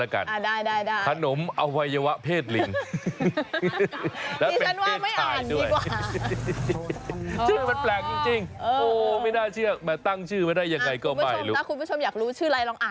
ถ้าคุณผู้ชมอยากรู้ชื่ออะไรลองอ่าน